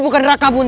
jangan ikut campur